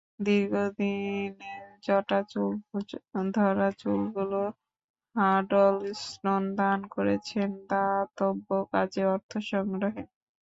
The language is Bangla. দীর্ঘ দিনে জটা ধরা চুলগুলো হাডলস্টোন দান করেছেন দাতব্যকাজে অর্থ সংগ্রহে।